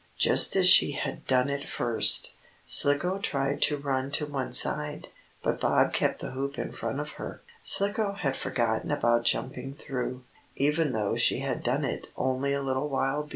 Just as she had done at first, Slicko tried to run to one side, but Bob kept the hoop in front of her. Slicko had forgotten about jumping through, even though she had done it only a little while before.